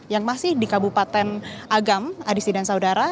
yang masih di kabupaten agam adisi dan saudara